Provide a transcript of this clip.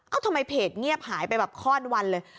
ทำไมเพจเงียบหายไปแบบข้อนวันเลย